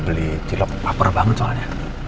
beli cilok apar banget soalnya